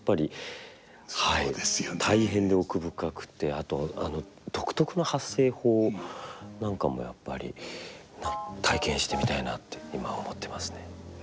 あとあの独特の発声法なんかもやっぱり体験してみたいなって今は思ってますね。